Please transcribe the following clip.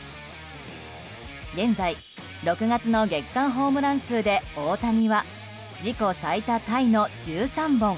現在、６月の月間ホームラン数で大谷は自己最多タイの１３本。